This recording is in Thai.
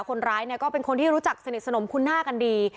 คนร้ายเนี่ยก็เป็นคนที่รู้จักสนิทสนมคุณหน้ากันดี